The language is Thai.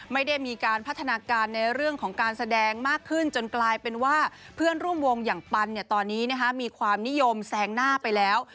ไม่ได้มีการพัฒนาการในเรื่องของการแสดงมากขึ้นจนกลายเป็นว่าเพื่อนร่วมวงอย่างปันตอนนี้มีความนิยมแซงหน้าไปแล้ว